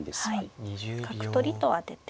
角取りと当てて。